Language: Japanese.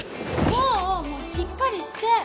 功もうしっかりして